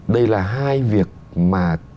đây là hai việc mà